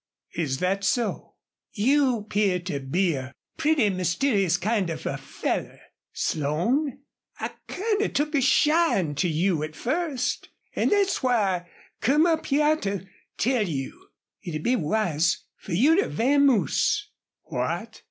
"Is that so?" "You 'pear to be a pretty mysterious kind of a feller, Slone. I kind of took a shine to you at first, an' thet's why I come up hyar to tell you it'd be wise fer you to vamoose." "What!"